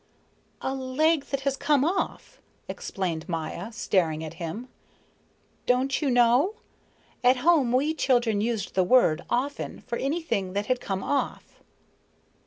"A leg that has come off," explained Maya, staring at him. "Don't you know? At home we children used the word offen for anything that had come off."